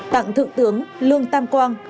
tặng thượng tướng lương tam quang